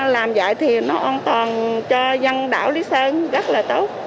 làm vậy thì nó an toàn cho dân đảo lý sơn rất là tốt